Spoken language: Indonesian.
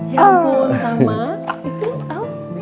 ya ampun tama